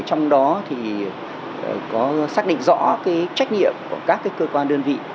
trong đó thì có xác định rõ trách nhiệm của các cơ quan đơn vị